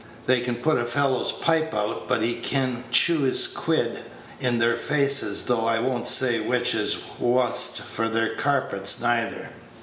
They can put a fellow's pipe out, but he can chew his quid in their faces; though I won't say which is wust for their carpets, neither."